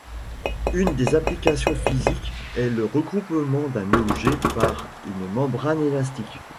Une des applications physiques est le recouvrement d'un objet par une membrane élastique.